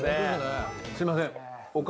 すいません。